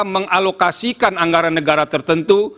mengalokasikan anggaran negara tertentu